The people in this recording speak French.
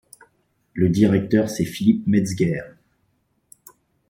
Le directeur c'est Philipp Metzger.